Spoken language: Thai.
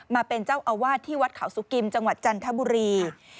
มาเป็นเจ้าอาวาสที่วัดเขาสุกิมจังหวัดจันทบุรี